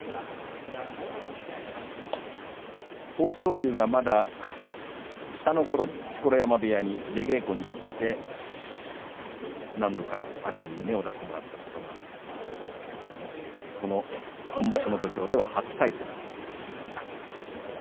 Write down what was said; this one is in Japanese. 豊昇龍がまだ下のころに錣山部屋に出稽古に行って何度か阿炎に胸を出してもらったことがあるということですが本場所の土俵では初対戦という形になります。